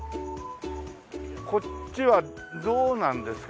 こっちはどうなんですか？